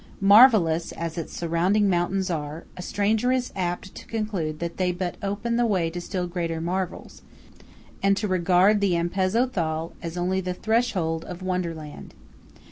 Marvellous as its surrounding mountains are, a stranger is apt to conclude that they but open the way to still greater marvels, and to regard the Ampezzo Thal as only the threshold of Wonderland.